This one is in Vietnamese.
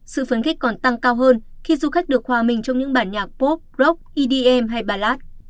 sự phấn khích còn tăng cao hơn khi du khách được hòa mình trong những bản nhạc pop rock edm hay ballad